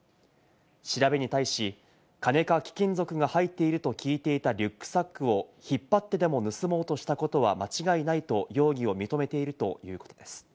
調べに対し、金か貴金属が入っていると聞いていたリュックサックを引っ張ってでも盗もうとしたことは間違いないと容疑を認めているということです。